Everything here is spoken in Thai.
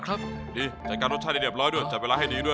อาหารอีกมาก๑๐๐๐นิว